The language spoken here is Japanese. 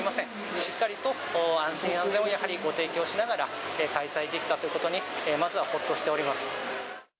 しっかりと安心安全をやはりご提供しながら開催できたということに、まずはほっとしております。